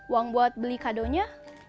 uang buat beli kado nya